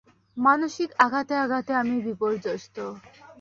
মানসিক আঘাতে আঘাতে আমি বিপর্যস্ত।